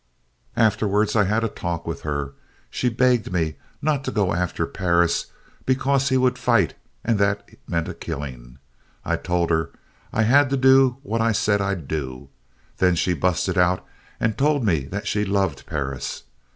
"Afterwards I had a talk with her. She begged me not to go after Perris because he would fight and that meant a killing. I told her I had to do what I'd said I'd do. Then she busted out and told me that she loved Perris.